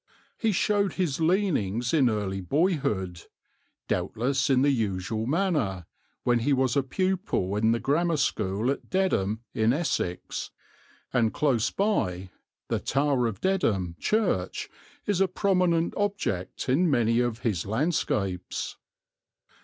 He showed his leanings in early boy hood, doubtless in the usual manner, when he was a pupil in the grammar school at Dedham, in Essex and close by the tower of Dedham Church is a prominent object in many of his landscapes.